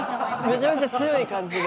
めちゃめちゃ強い感じで。